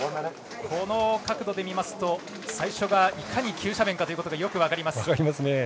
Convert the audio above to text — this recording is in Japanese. この角度で見ますと最初がいかに急斜面かがよく分かります。